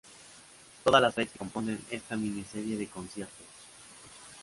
Todas las fechas que componen esta mini serie de conciertos.